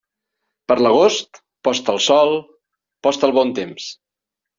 Per l'agost, post el sol, post el bon temps.